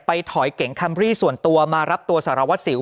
ไปถอยเก่งคัมรี่ส่วนตัวมารับตัวสารวัตรศิลป์